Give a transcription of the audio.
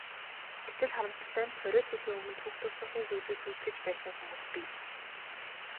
Гэтэл, харамсалтай нь хориод жилийн өмнө түүх дурсгалын зүйлийг сүйтгэж байсан хүмүүс бий.